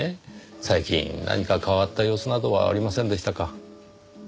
最近何か変わった様子などはありませんでしたか？